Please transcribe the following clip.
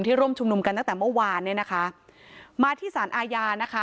ร่วมชุมนุมกันตั้งแต่เมื่อวานเนี่ยนะคะมาที่สารอาญานะคะ